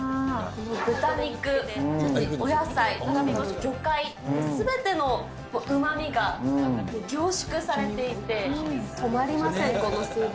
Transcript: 豚肉、お野菜、魚介、すべてのうまみが凝縮されていて、止まりません、このスープ。